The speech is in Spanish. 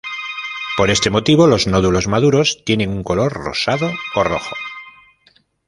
Por este motivo los nódulos maduros tienen un color rosado o rojo.